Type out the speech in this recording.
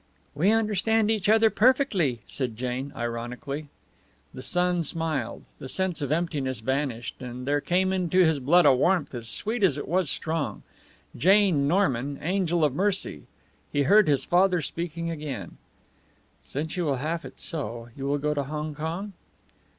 "We understand each other perfectly," said Jane, ironically. The son smiled. The sense of emptiness vanished, and there came into his blood a warmth as sweet as it was strong. Jane Norman, angel of mercy. He heard his father speaking again: "Since you will have it so, you will go to Hong Kong?"